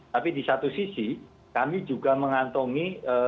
tapi di satu sisi kami juga mengantongi